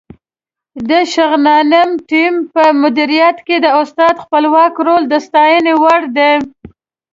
د شغنان ټیم په مدیریت کې د استاد خپلواک رول د ستاینې وړ دی.